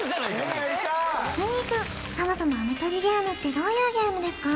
ええっやりたいきんに君そもそも飴取りゲームってどういうゲームですか？